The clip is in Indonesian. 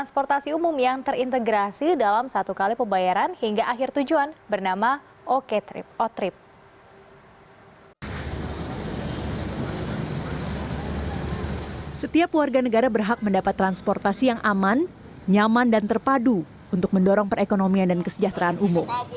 setiap warga negara berhak mendapat transportasi yang aman nyaman dan terpadu untuk mendorong perekonomian dan kesejahteraan umum